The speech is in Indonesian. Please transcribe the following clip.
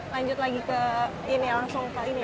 lanjut lagi ke ini langsung kali ini ya pak